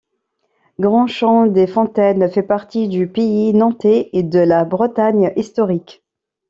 Grandchamps-des-Fontaines fait partie du pays nantais et de la Bretagne historique.